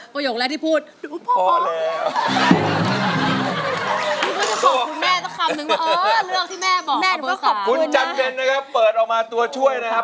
เปิดออกมาตัวช่วยนะครับ